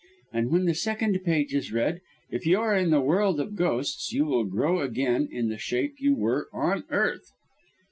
and when the second page is read, if you are in the world of ghosts, you will grow again in the shape you were on earth...."